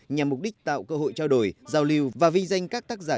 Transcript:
nhằm mục đích tạo cơ hội trao đổi giao lưu và vi danh các tác giả